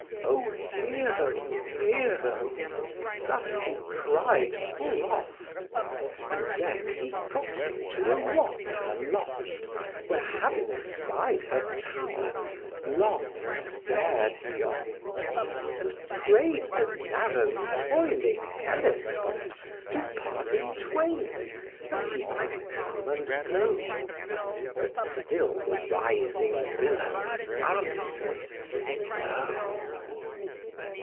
"O Hero, Hero!" thus he cried full oft; And then he got him to a rock aloft, Where having spied her tower, long star'd he on't, And pray'd the narrow toiling Hellespont To part in twain, that he might come and go; But still the rising billows answer'd, "No."